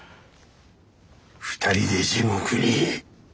２人で地獄に。